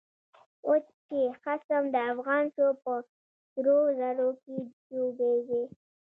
اوس چی خصم د افغان شو، په سرو زرو کی ډوبيږی